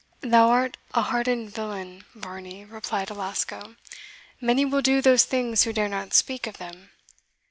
"Thou art an hardened villain, Varney," replied Alasco; "many will do those things who dare not speak of them."